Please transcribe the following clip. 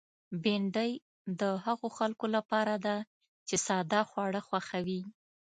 بېنډۍ د هغو خلکو لپاره ده چې ساده خواړه خوښوي